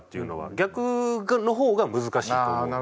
逆の方が難しいと思います。